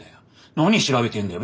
何調べてんだよ。